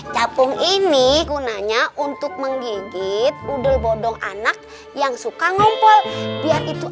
capung ini gunanya untuk menggigit udel bodong anak yang suka ngumpul biar itu